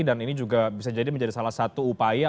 dan ini juga bisa jadi menjadi salah satu upaya